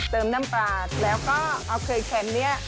เติมน้ำตาดแล้วก็เอาเคยเค็มนี้